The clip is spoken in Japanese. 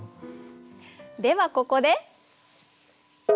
ではここで。